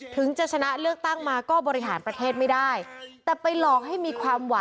ถึงจะชนะเลือกตั้งมาก็บริหารประเทศไม่ได้